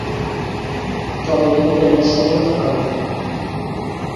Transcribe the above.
তবে তেমন সফলতা পাননি।